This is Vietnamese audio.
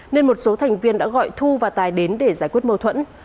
nên một số thành viên đã gọi thu và tài đến để giải quyết mâu thuẫn